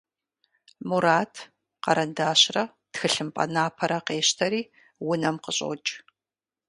Мурат къэрэндащрэ тхылъымпӀэ напэрэ къещтэри унэм къыщӀокӀ.